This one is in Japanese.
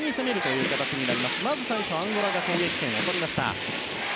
まず、アンゴラが攻撃権を取りました。